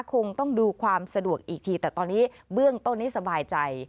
คงต้องดูความสะดวกอีกทีแต่ตอนนี้เบื้องต้นนี้สบายใจ